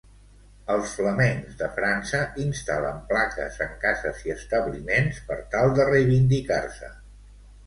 Els flamencs de França instal·len plaques en cases i establiments per tal de reivindicar-se.